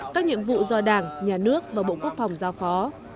các nhiệm vụ do đảng nhà nước và bộ quốc phòng giao phó